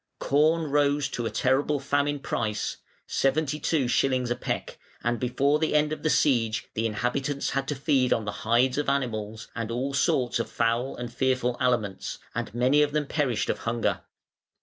Corn rose to a terrible famine price (seventy two shillings a peck), and before the end of the siege the inhabitants had to feed on the hides of animals, and all sorts of foul and fearful aliments, and many of them perished of hunger.